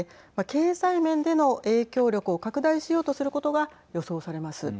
経済面での影響力を拡大しようとすることが予想されます。